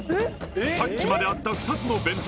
さっきまであった２つの弁当